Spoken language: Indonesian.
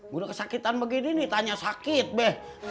guna kesakitan begini nih tanya sakit be